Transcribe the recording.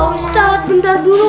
ustaz bentar dulu